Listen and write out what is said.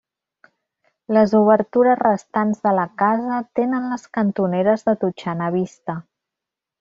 Les obertures restants de la casa tenen les cantoneres de totxana vista.